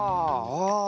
ああ。